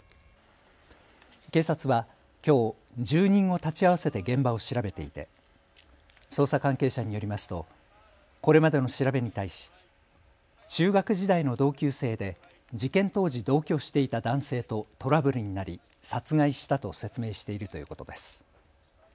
警察はきょう住人を立ち会わせて現場を調べていて捜査関係者によりますとこれまでの調べに対し中学時代の同級生で事件当時、同居していた男性とトラブルになり殺害したと説明しているということです。